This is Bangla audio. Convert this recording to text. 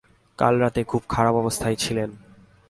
কাল রাত খুব খারাপ অবস্থায় ছিলেন।